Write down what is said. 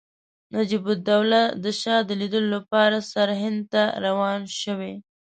نجیب الدوله د شاه د لیدلو لپاره سرهند ته روان شوی.